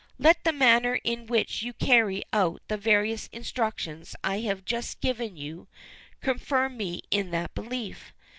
"Let the manner in which you carry out the various instructions I have just given you, confirm me in that belief.